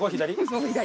そう左。